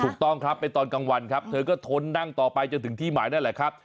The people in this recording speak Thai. ถูกต้องครับเป็นตอนกลางวันครับเธอก็ทนนั่งต่อไปจนถึงที่หมายนั่นแหละครับ